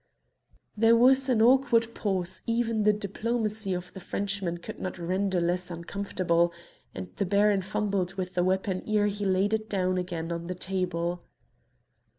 There was an awkward pause even the diplomacy of the Frenchman could not render less uncomfortable, and the Baron fumbled with the weapon ere he laid it down again on the table.